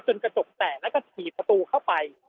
กระจกแตกแล้วก็ถีบประตูเข้าไป